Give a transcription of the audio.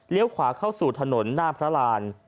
เลี้ยวขวาเข้าสู่ถนนหน้ามหลาน